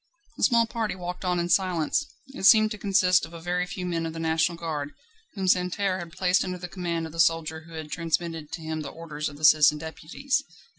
The small party walked on in silence. It seemed to consist of a very few men of the National Guard, whom Santerne had placed under the command of the soldier who had transmitted to him the orders of the Citizen Deputies.